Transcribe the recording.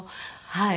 はい。